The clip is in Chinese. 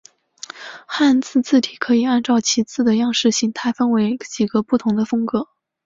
汉字字体可以按照其字的样式形态分成几个不同的风格。